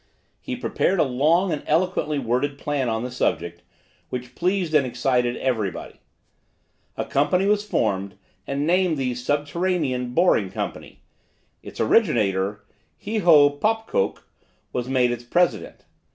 He prepared a long and eloquently worded plan on this subject, which pleased and excited every body. A company was formed, and named the "Subterranean Boring Company" its originator, Hiho Pop coq, was made its president.